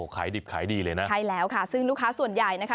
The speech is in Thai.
ขายดิบขายดีเลยนะใช่แล้วค่ะซึ่งลูกค้าส่วนใหญ่นะคะ